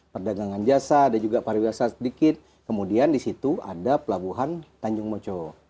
perdagangan jasa ada juga pariwiasa sedikit kemudian disitu ada pelabuhan tanjung mocho